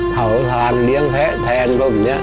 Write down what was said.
เผาทางเลี้ยงแพะแทนผมเนี่ย